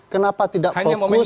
kenapa tidak fokus